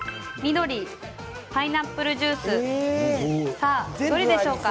さあ、どれでしょうか？